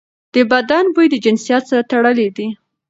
د بدن بوی د جنسیت سره تړلی دی.